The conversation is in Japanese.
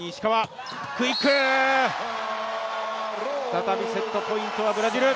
再びセットポイントはブラジル。